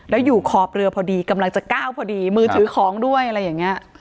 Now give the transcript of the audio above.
แล้วอยู่ขอบเรือพอดีกำลังจะก้าวพอดีมือถือของด้วยอะไรอย่างนี้